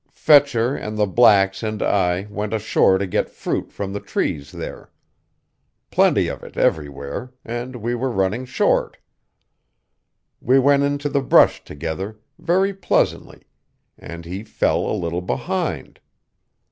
"Fetcher, and the blacks and I went ashore to get fruit from the trees there. Plenty of it everywhere; and we were running short. We went into the brush together, very pleasantly; and he fell a little behind.